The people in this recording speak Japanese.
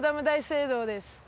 大聖堂です